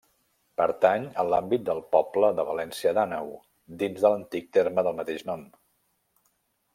Pertany a l'àmbit del poble de València d'Àneu, dins de l'antic terme del mateix nom.